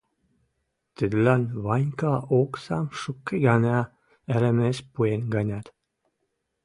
Тӹдӹлӓн Ванька оксам шукы гӓнӓ ӓрӹмеш пуэн гӹнят